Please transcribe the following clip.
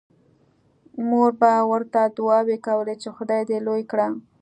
مور به ورته دعاوې کولې چې خدای دې لوی کړي